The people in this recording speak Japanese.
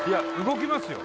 動きますよ